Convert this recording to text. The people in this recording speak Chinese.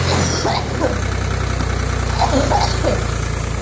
至少车上有暖气